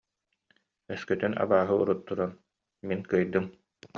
Өскөтүн абааһы урут туран: «Мин кыайдым